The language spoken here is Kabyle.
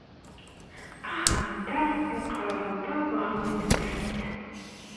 Axxam-nteɣ yeqreb aṭas ɣer win-nsent.